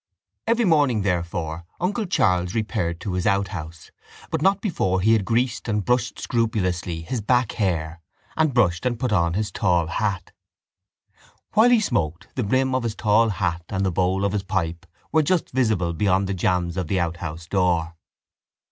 Every morning, therefore, uncle Charles repaired to his outhouse but not before he had greased and brushed scrupulously his back hair and brushed and put on his tall hat. While he smoked the brim of his tall hat and the bowl of his pipe were just visible beyond the jambs of the outhouse door.